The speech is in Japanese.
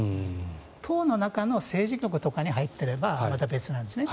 当の中の政治局とかに入っていればまた別なんですね。